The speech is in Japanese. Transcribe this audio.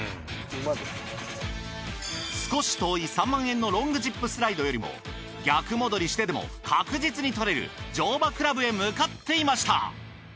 少し遠い３万円のロングジップスライドよりも逆戻りしてでも確実に取れる乗馬クラブへ向かっていました。